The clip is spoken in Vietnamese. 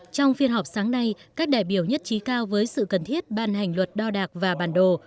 trong phiên họp sáng nay các đại biểu nhất trí cao với sự cần thiết ban hành luật đo đạc và bản đồ